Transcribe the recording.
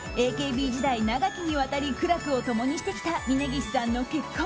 ＡＫＢ時代、長きにわたり苦楽を共にしてきた峯岸さんの結婚。